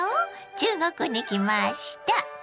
中国に来ました。